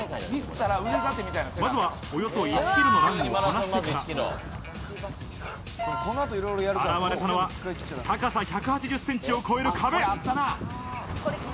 まずは、およそ１キロのランをこなしてから、現れたのは高さ１８０ｃｍを超える壁。